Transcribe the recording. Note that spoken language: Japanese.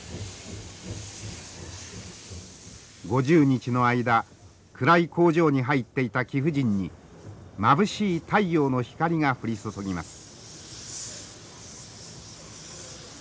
５０日の間暗い工場に入っていた貴婦人にまぶしい太陽の光が降り注ぎます。